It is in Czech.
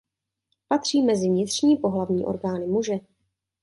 Patří mezi vnitřní pohlavní orgány muže.